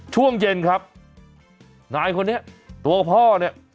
ช่วงเย็นครับนายคนนี้ตัวพ่อเนี่ย